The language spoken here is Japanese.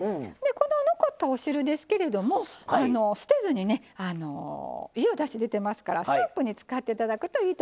この残ったお汁ですけれども捨てずにねいいおだし出てますからスープに使って頂くといいと思います。